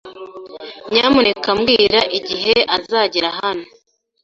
Nyamuneka mbwira igihe azagera hano.